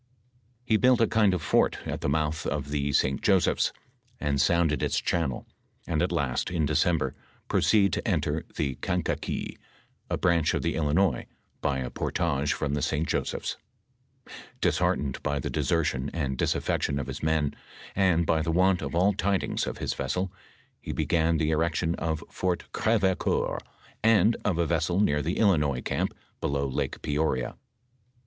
He built a kind of fort at the mouth of the St. Joseph^s and sounded its channel, and, at last, in December, proceed to enter tlie Kankakee, a branch of the Illinois, by a portage from the St. Josepli^s. Disheart ened by the desertion and disaffection of his men, and by the want of all tidings of his vessel, he began the erection of Fort GrevecoBur, and of a vessel near the Illinois camp below Lake Peoria.